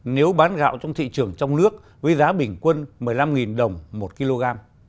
nếu bán gạo trong thị trường trong nước với giá bình quân một mươi năm đồng một kg